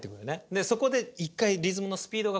でそこで１回リズムのスピードが変わる。